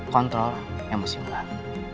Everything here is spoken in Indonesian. kontrol yang masih mulai